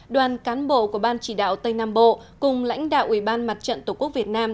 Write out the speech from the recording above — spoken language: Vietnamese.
đoàn cán bộ của ban chỉ đạo tây nam bộ cùng lãnh đạo ủy ban mặt trận tổ quốc việt nam